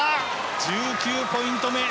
１９ポイント目！